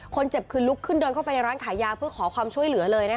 คนเจ็บคือลุกขึ้นเดินเข้าไปในร้านขายยาเพื่อขอความช่วยเหลือเลยนะคะ